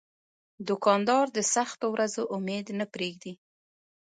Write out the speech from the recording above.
دوکاندار د سختو ورځو امید نه پرېږدي.